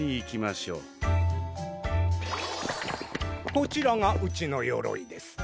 こちらがうちのよろいです。